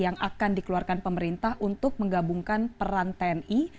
yang akan dikeluarkan pemerintah untuk menggabungkan peran tni